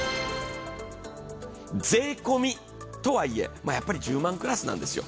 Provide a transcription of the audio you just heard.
税込みとはいえ、１０万クラスなんですよ。